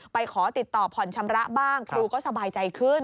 ขอติดต่อผ่อนชำระบ้างครูก็สบายใจขึ้น